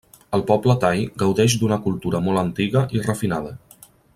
El poble thai gaudeix d'una cultura molt antiga i refinada.